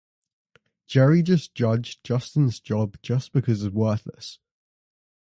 Jerry just judged Justin's job just because it's worthless.